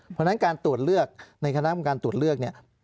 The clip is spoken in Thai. เพราะฉะนั้นการตรวจเลือกในคณะกรรมการตรวจเลือกเนี่ย